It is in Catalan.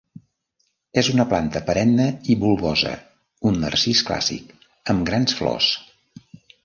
És una planta perenne i bulbosa, un narcís clàssic, amb grans flors.